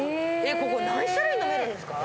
ここ何種類飲めるんですか？